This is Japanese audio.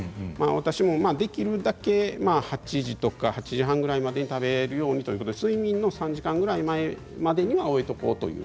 私もできるだけ８時とか８時半ぐらいまでに食べるようにということで睡眠の３時間ぐらい前には終えておこうと。